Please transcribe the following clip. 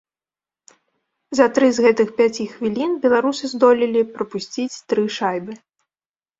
За тры з гэтых пяці хвілін беларусы здолелі прапусціць тры шайбы.